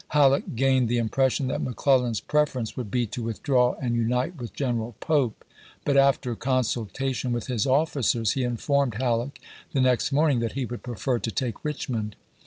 Halleck gained the impression that McClellan's preference would be to withdraw and unite with General Pope ; but after consultation with his officers he informed Halleck the next morning that he would prefer to take Eich mond.